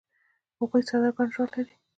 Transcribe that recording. هغوی ساده ګډ ژوند لري.